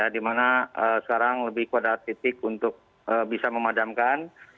dimana sekarang lebih kodat titik untuk bisa memadamkan